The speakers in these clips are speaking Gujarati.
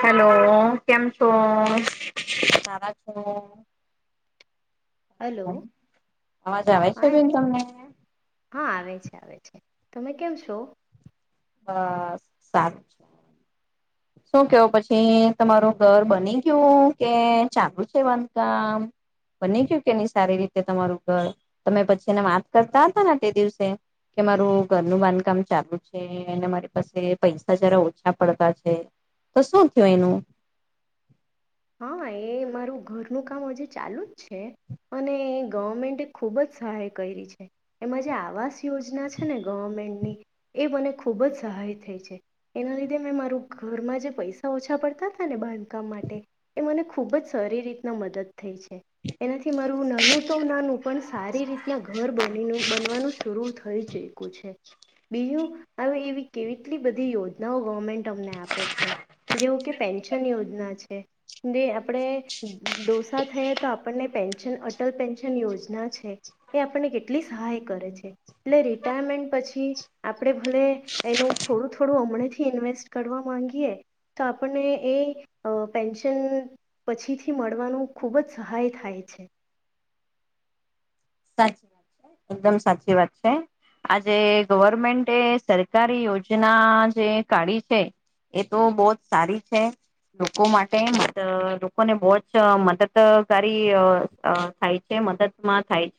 હેલો, કેમ છો? સારા છો? હલો. અવાજ આવે છે બેન તમને તમે કેમ છો? બસ સા શું કેવ પછી, તમારું ઘર બની ગયું કે ચાલુ છે બાંધકામ. બની ગયું કે ની સારી રીતે તમારું ઘર? તમે પછી એને વાત કરતા હતા ને તો શું થયું એનું? હા એ મારું ઘરનું કામ હજુ ચાલુ જ છે, અને ગવર્મેન્ટે ખુબ જ સહાય કયરી છે, એમાં જે આવાસ યોજના છે ને ગવર્મેન્ટની એ મને ખૂબ જ સહાય થઈ છે, એના લીધે મેં મારું ઘરમાં જે પૈસા ઓછા પડતા હતા ને બાંધકામ માટે એ મને ખૂબ જ સારી રીતના મદદ થઈ છે એનાથી મારું નાનું તો નાનું પણ સારી રીતના ઘર બની બનવાનું શરૂ થઈ ચૂક્યું છે, બીજું હવે એવી કેવીટલીક બધી યોજનાઓ ગવર્મેન્ટ અમને આપે છે, જેવું કે પેન્શન યોજના છે. જે આપણે ડોસા થઈએ તો આપણને પેન્શન અટલ પેન્શન યોજના છે, એ આપણને કેટલી સહાય કરે છે. એટલે રિટાયરમેન્ટ પછી આપણે ભલે એનું થોડું થોડું હમણાંથી ઇન્વેસ્ટ કરવા માગીએ તો આપણને એ પેન્શન પેન્શન પછીથી મળવાનું ખૂબ જ સહાય થાય છે. સાચી વાત છે. એકદમ સાચી વાત છે. આજે ગવર્મેન્ટ સરકારી યોજના જે કાઢી છે એ તો બહું જ સારી છે લોકો માટે મ લોકોને બહું જ મદદકારી થાય છે, મદદમાં થાય છે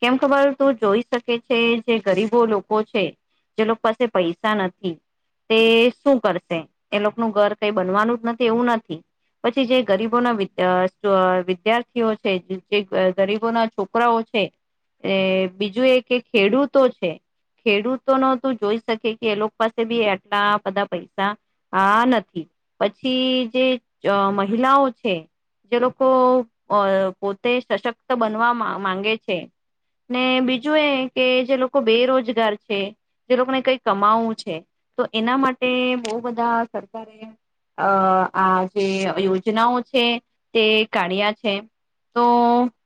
કેમ ખબર તું જોઈ શકે છે જે ગરીબો લોકો છે જે લોકો પાસે પૈસા નથી, તે શું કરશે એ લોકોનું ઘર કઈ બનવાનું જ નથી એવું નથી પછી જે ગરીબોના વિદ્યાર્ વિદ્યાર્થીઓ છે જે ગરીબોના છોકરા રાઓ છે બીજું એ કે ખેડૂતો છે, ખેડૂતો નો તું જોઈ શકે કે એ લોકો પાસે બી આટલા બધા પૈસા હા નથી, પછી જે મહિલાઓ છે જે લોકો પોતે સશક્ત બનવાવામાં માંગે છે ને બીજું એ કે જે લોકો બેરોજગાર છે જે લોકોને કઈ કમાવવું છે, તો એના માટે બહુ બધા સરકારે આ જે યોજનાઓ છે તે કાઢ્યા છે તો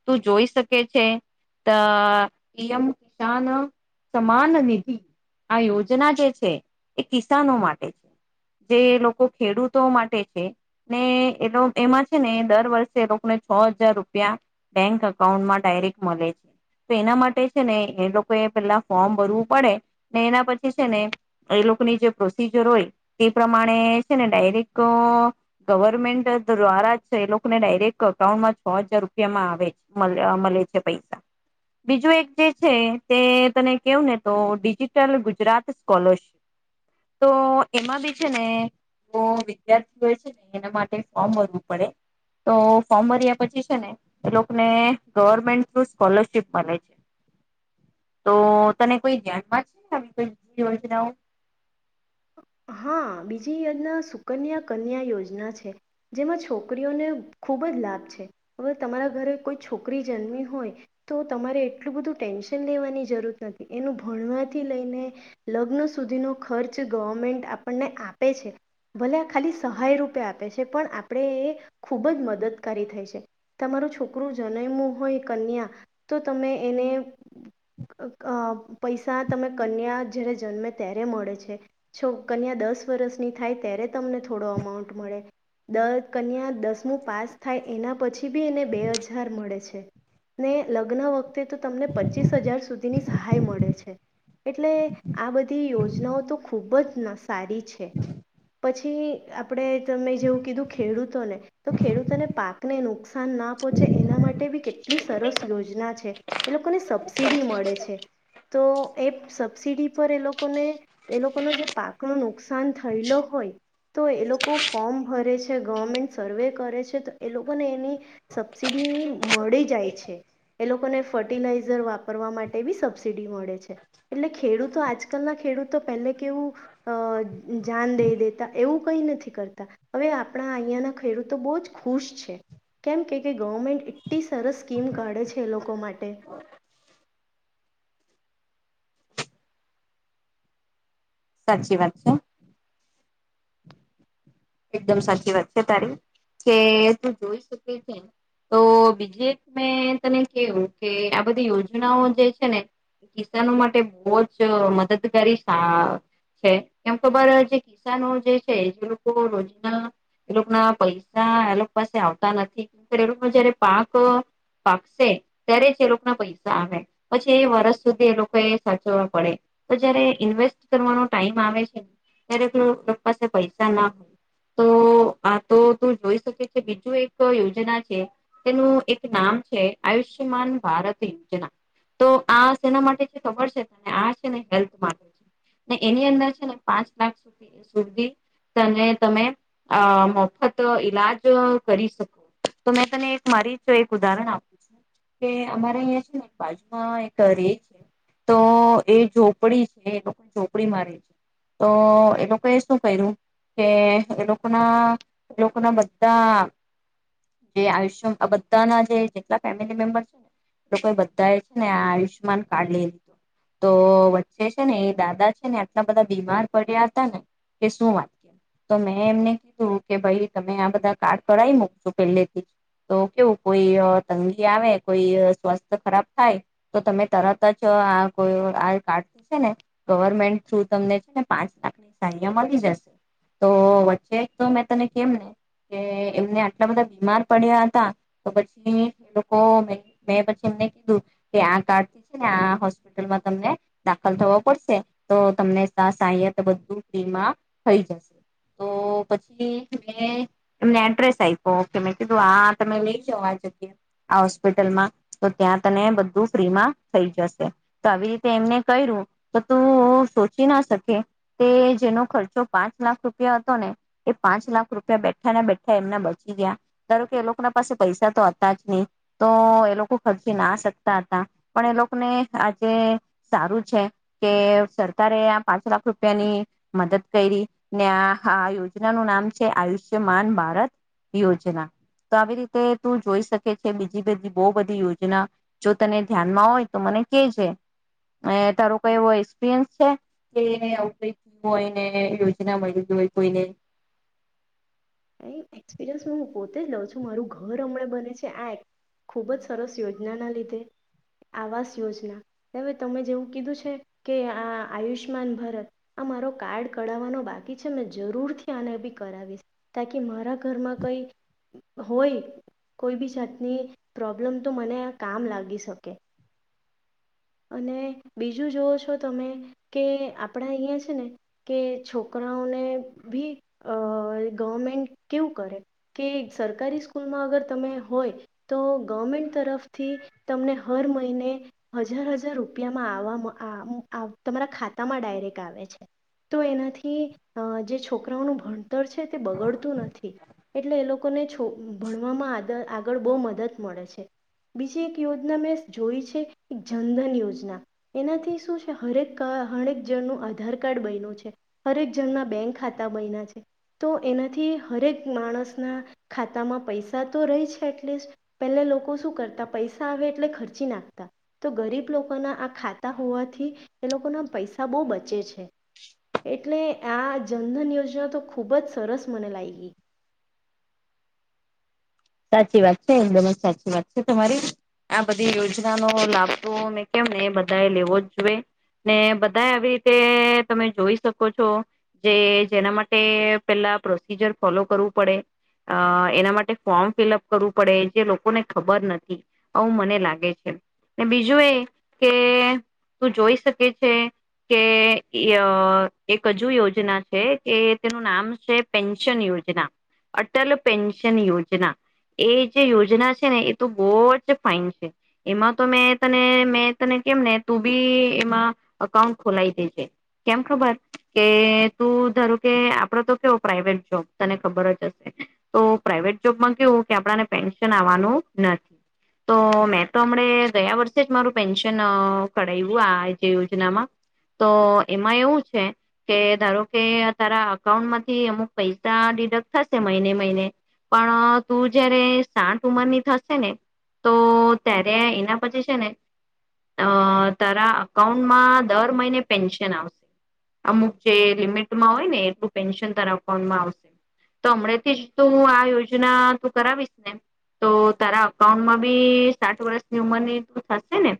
તું જોઈ શક કે છે પી એમ કિસાન સમાન નિધિ. આ યોજના જે છે એ કિસાનો માટે છે જે લોકો ખેડૂતો માટે છે ને એ એમાં છે ને દર વર્ષે એ લોકોને છ હજાર રૂપિયા બેંક અઉન્ટ માટે ડાયરેક્ટ મળે છે તો એના માટે છે ને એ લોકોએ પેલા ફોર્મ ભરવું પડે ને એના પછી છે ને એ લોકોની જે પ્રોસીજર હોય એ પ્રમાણે છે ને ડાયરેક્ટ ગવર્મેન્ટ દ્વારા એ લોકોને ડાયરેક્ટ અકાઉન્ટમાં છ હજાર રૂપિયામાં આવે મળે મળ મળે છે પૈસા, બીજું એક જે છે તે તને કેવું ને તો ડિજિટલ ગુજરાત સ્કોલરશીપ, તો એમાં બી છે ને વિદ્યાર્થીઓ છેને એના માટે ફોર્મ ભરવું પડે તો ફોર્મ ભર્યા પછી છેને એ લોકોને ગવર્મેન્ટ થ્રુ સ્કોલરશીપ મળે છે. તો તને કોઈ ધ્યાનમાં છે આવી કો બી યોજનાઓ? હા બીજી યોજના સુકન્યા કન્યા યોજના છે. જેમાં છોકરીઓને ખૂબ જ લાભ છે, હવે તમારા ઘરે કોઈ છોકરી જન્મ હોય તો તમારે એટલું બધું ટેન્શન લેવાની જરૂર નથી એનું ભણવાથી લઈને લગ્ન સુધીનો ખર્ચ જે ગવર્મેન્ટ આપણને આપે છે ભલે આ ખાલી સહાય રૂપે આપે છે પણ આપણે એ ખૂબ જ મદદકારી થાય છે. તમારું છોકરું જનયમુ હોય કન્યા તો તમે એને અ પૈસા તમે કન્યા જ્યારે જન્મે ત્યારે મળે છે કન્યા દસ વર્ષની થાય ત્યારે તમને થોડો અમાઉન્ટ મળે. દ કન્યા દસમું પાસ થાય એના પછી બી એને બે હજાર મળે છે ને લગ્ન વખતે તો તમને પચીસ હજાર સુધીની સહાય મળે છે એટલે આ બધી યોજનાઓ તો ખૂ ખૂબ જ ન સારી છે. પછી આપણે તમે જેવું કીધું ખેડૂતોને, તો ખેડૂતોને પાકને નુકસાન ના પહોંચે એના માટે બી કેટલી સરસ યોજના છે. એ લોકોને સબસિડી મળે છે તો એ સબસિડી પર એ લોકોને એ લોકોનો જે પાકનું નુકસાન થયેલો હોય તો એ લોકો ફોર્મ ભરે છે, ગવર્મેન્ટ સર્વે કરે છે તો એ લોકોને એની સબસિડી મળી જાય છે. એ લોકોને ફર્ટિલાઇઝર વાપરવા માટે બી સબસિડી મળે છે એટલે ખેડૂતો, આજકાલના ખેડૂત તો પેહલે કેવું એ જાન દઈ દેતા એવું કઈ નથી કરતા. હવે આપણા અહીંયાના ખેડૂતો બો જ ખુશ છે કેમ કે ગવર્મેન્ટ એટલી સરસ સ્કીમ કાઢે છે એ લોકો માટે સાચી વાત છે. એકદમ સાચી વાત છે તારી કે તું જોઈ શકી છે તો બીજી એક મેં તને કેવું કે આ બધી યોજનાઓ જે છે ને કિસાનો માટે બો જ મદદગારી છે. કેમ ખબર જે કિસાનો જે છે જે રોજના એ લોકો ના પૈસા એ લોકો પાસે આવતા નથી. એ લોકો જયારે પાક પાકશે ત્યારે જ એ લોકો ના પૈસા આવે પછી એ વર્ષ સુધી એ લોકો એ સાચવવા પડે તો જયારે ઇન્વેસ્ટ કરવાનો ટાઈમ આવે છે ત્યારે એલોકો પાસે પૈસા ના હોય તો આ તો તું જોઈ શકી છે બીજું એક યોજના છે તેનું એક નામ છે આયુષ્યમાન ભારત યોજના તો આ સેના માટે છે ખબર છેને. આ છે ને હેલ્થ માટે છે ને એની અંદર છે ને પાંચ લાખ સુધી સુધી તને તમે મફત ઈલાજ કરી શકો તો મેં તને એક મારી જ એક ઉદાહરણ આપું છું કે અમારે અહીં છે ને એક બાજુમાં એક રે છે તો એ ઝોપડી પડી છે એ લોકો ઝોપડી મારે છે તો એ લોકોએ શું કર્યું. કે એ લોકોના એ લોકોના બધા જે આયુષ્ય બધાના જેટલા ફેમિલી મેમ્બર છે ને એ લોકો બધા એ છે ને આ આયુષ્યમાન કાર્ડ લઈ લીધું તો વચ્ચે છે ને એ દાદા છે ને આટલા બધા બીમાર પડ્યા હતા ને કે શું વાત. તો મેં એમને કીધું કે ભાઈ તમે આ બધા કાર્ડ કરાવી મૂકજો પેલે થી તો કેવું કોઈ તંગી આવે કોઈ સ્વાસ્થ્ય ખરાબ થાય તો તમે તરત જ આ કો આ કાર્ડથી છે ને ગવર્મેન્ટ થ્રુ તમને છે ને પાંચ લાખની સહાયતા મળી જશે. તો વચ્ચે તો મે તને કેમને કે એમને આટલા બધા બીમાર પડ્યા હતા તો પછી એ લોકો મે પછી એમ કીધું કે આ કાર્ડ થી છે ને આ હોસ્પિટલમાં તમને દાખલ થવો પડશે તો તમને સહાય બધું ફ્રીમાં થઈ જશે. તો પછી મે એમને એડ્રેસ આયપો કે મેં કીધું આ તમે લઈ જાવ આ જગ્યાએ આ હોસ્પિટલમાં તો ત્યાં તને બધું ફ્રીમાં થઈ જશે તો આવી રીતે એમને કર્યું તો તું સોચી ના શકે કે જેનો ખર્ચો પાંચ પાંચ લાખ રૂપિયા હતો ને એ પાંચ લાખ રૂપિયા બેઠા ના બેઠા એમના બચી ગયા ધારો કે એ લોકો ના પાસે પૈસા તો હતા જ નહી તો એ લોકો ખર્ચ ના શકતા હતા પણ એ લોકોને આજે સારું છે કે સરકારે આ પાંચ લાખ રૂપિયાની મદદ કરી. ને આ યોજના નું નામ છે આયુષ્યમાન ભારત યોજના તો આવી રીતે તું જોઈ શકે છે બીજી બધી બો બધી યોજના જો તને ધ્યાનમાં હોય તો મને કે જે તારો કઈ એવો એક્સપિરિયન્સ છે કે આવું કય થીયુ હોયને એ ના મળ જો હોઈ કોઈને એક્સપિરિયન્સ હું પોતે જ લઉં છું. મારું ઘર હમણાં બને છે. આ એક ખુબ જ સરસ યોજના ના લીધે આવાસ યોજના હવે તમે જેવું કીધું છે કે આ આયુષમાન ભારત આ મારો કાર્ડ કાઢવવાનો બાકી છે મે જરૂરથી આને બી કરાવીશ. તાકી મારા ઘરમાં કઈ હોય કોઈ બી જાતની પ્રોબ્લમ તો મને આ કામ લાગી શકે. અને બીજું જોવ છો તમે કે આપણા અહીંયા છે ને કે છોકરાઓને ભી ગવર્મેન્ટ કેવું કરે કે સરકારી સ્કૂલમાં અગર તમે હોય તો ગવર્મેન્ટ તરફથી તમને હર મહિને હજ હજાર હજાર રૂપિયામાં આવવામાં તમારા ખાતામાં ડાયરેક્ટ આવે છે તો એનાથી જે છોકરાઓનું ભણતર છે તે બગડતું નથી એટલે એ લોકોને છોક ભણવામાં આ આગળ બો મદદ મળે છે બીજી એક યોજના મેં જોઈ છે જનધન યોજના એનાથી શું છે હરેક હરેક જણનું આધાર કાર્ડ બન્યું છે, હરેક જણના બેંક ખાતા બન્યા છે તો એનાથી હરેક માણસના ખાતામાં પૈસા તો રહી છે એટલીસ્ટ પહેલા લોકો શું કરતા પૈસા આવે એટલે ખર્ચી નાખતા. તો ગરીબ લોકોના આ ખાતા હોવાથી એ લોકોના પૈસા બો બચે છે એટલે આ જનધન યોજના તો ખૂબ જ સરસ મને લાયગી. સાચી વાત છે એકદમ જ સાચી વાત છે તમારી. આ બધી યોજનાનો લાભ મે કેમ ને બધા એ લેવો જ જોઈએ ને બધાએ આવી રીતે તમે જોઈ શકો છો જે જેના માટે પેલા પ્રોસીજર ફોલો કરવું પડે અ એના માટે ફોર્મ ફિલઅપ કરવું પડે જે લોકોને ખબર નથી આવું મને લાગે છે ને બીજું એ કે તું જોઈ શકે છે કે એક હજુ યોજના છે કે તેનું નામ છે પેન્શન યોજના અટલ પેન્શન યોજના. યોજના એ જે યોજના છે ને એ ત બો જ ફાઈન છે એમાં તો મે તને મે તને કેમ ને તું બી એમાં એકાઉન્ટ ખોલાવી દેજે કેમ ખબર કે તું ધારું કે આપડો તો કેવો પ્રાાઈવેટ જોબ તને ખબર જ હશે તો પ્રાઈવેટ જોબમાં કેવુ કે આપણને પેન્શન આવવાનું નથી તો મેં તો હમણે ગયા વર્ષે જ મારું પેન્શન કરાયવુ આ જે યોજનામાં તો એમાં એવું છે કે ધારો કે તારા અકાઉન્ટમાંથી અમુક પૈસા ડિડક્ટ થશે મહિને મહિને પણ તું જયારે સાઠ ઉંમરની થશે ને તો ત્યારે એના પછી છે ને અ તારા અકાઉન્ટમાં દર મહિને પેન્શન આવશે. અમુક જે લિમિટમાં હોય ને એટલું પેન્શન તારા અકાઉન્ટમાં આવશે તો હમણાં થી જ તું આ યોજ યોજના તું કરાવીશ ને તો તારા અઉન્ટમાં બી સાઠ વર્ષની ઉંમરની તું થશે ને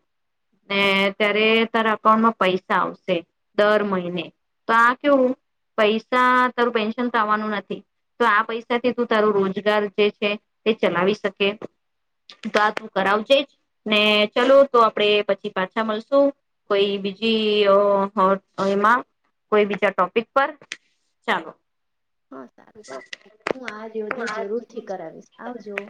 ને ત્યારે તારા અકાઉન્ટમાં પૈસા આવશે. દર મહિને તો આ કેવું પૈસા તારું પેન્શન તો આવવાનું નથી તો આ પૈસા થી તું તારું રોજ રોજગાર જે છે તે ચલાવી શકે તો આ તું કરાવજેજ ને ચાલો તો આપડે પછી પાછા મળશું કોઈ બીજી એમાં કોઈ બીજા ટોપિક પર ચાલો. હા સારું પાકુ હું આ યોજના જરૂર થી કરાવીશ આવજો.